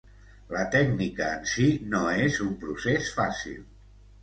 La tècnica en si no és un procés fàcil.